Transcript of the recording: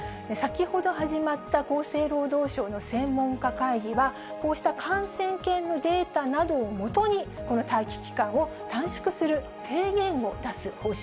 先ほど始まった厚生労働省の専門家会議は、こうした感染研のデータなどを基に、この待期期間を短縮する提言